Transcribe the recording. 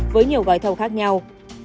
với nhiều gói thầu khác nhau